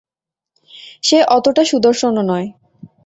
সে অতোটা সুদর্শনও নয়!